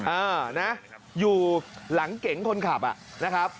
เออนะอยู่หลังเก๋งคนขับนะครับ